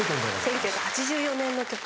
１９８４年の曲です。